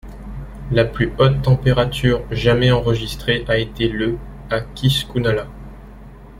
La plus haute température jamais enregistrée a été le à Kiskunhalas.